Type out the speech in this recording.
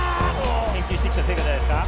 ・研究してきた成果じゃないですか？